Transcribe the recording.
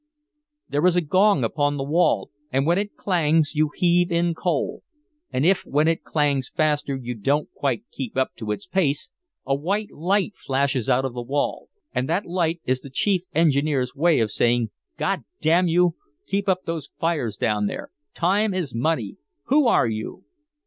There is a gong upon the wall, and when it clangs you heave in coal, and if when it clangs faster you don't keep quite up to its pace, a white light flashes out of the wall, and that light is the Chief Engineer's way of saying, 'God damn you, keep up those fires down there! Time is money! Who are you?'